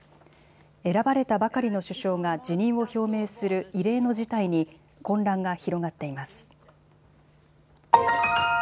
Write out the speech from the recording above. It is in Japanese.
選ばれたばかりの首相が辞任を表明する異例の事態に混乱が広がっています。